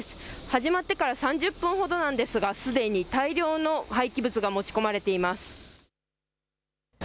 始まってから３０分ほどなんですがすでに大量の廃棄物が持ち込まれています。